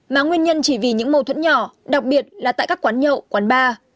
mà nguyên nhân chỉ vì những mâu thuẫn nhỏ đặc biệt là tại các quán nhậu quán bar